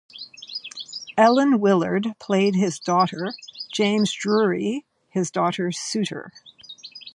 Elen Willard played his daughter; James Drury, his daughter's suitor.